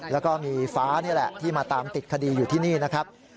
แล้วก็มีฟ้านี่แหละที่มาตามติดคดีอยู่ที่นี่นะครับ